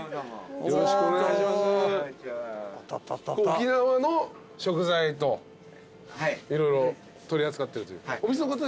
沖縄の食材と色々取り扱ってるという。